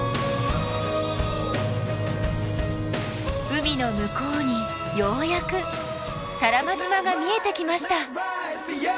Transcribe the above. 海の向こうにようやく多良間島が見えてきました。